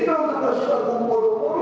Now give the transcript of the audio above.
bangun rumah dulu pak